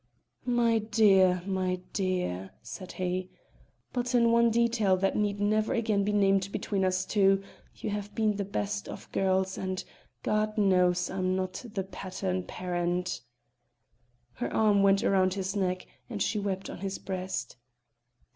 "My dear, my dear!" said he, "but in one detail that need never again be named between us two, you have been the best of girls, and, God knows, I am not the pattern parent!" Her arm went round his neck, and she wept on his breast.